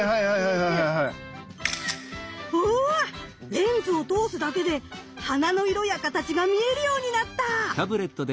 レンズを通すだけで花の色や形が見えるようになった！